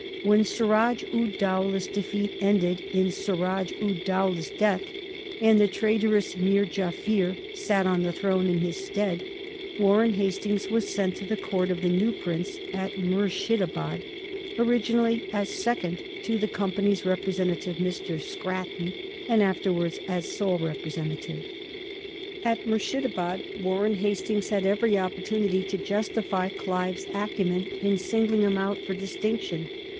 When Suraj ud Dowlah's defeat ended in Suraj ud Dowlah's death, and the traitorous Mir Jaffier sat on the throne in his stead, Warren Hastings was sent to the court of the new prince at Murshidabad, originally as second to the Company's representative, Mr. Scratton, and afterwards as sole representative. [Sidenote: 1762 Clive and the East India Company] At Murshidabad Warren Hastings had every opportunity to justify Clive's acumen in singling him out for distinction.